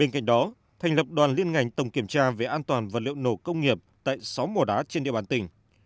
cạnh đó thành lập đoàn liên ngành tổng kiểm tra về an toàn vật liệu nổ công nghiệp tại sáu mỏ đá trên địa bàn tỉnh